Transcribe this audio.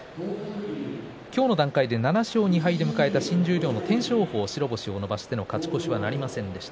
今日の段階で７勝２敗で迎えた天照鵬、白星を伸ばしての勝ち越しはなりませんでした。